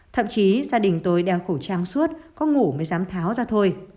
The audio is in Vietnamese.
thậm chí gia đình tôi đeo khẩu trang suốt có ngủ mới dám tháo ra thôi